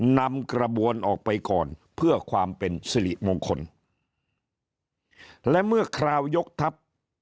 นำกระบวนออกไปก่อนเพื่อความเป็นสิริมงคลและเมื่อคราวยกทัพ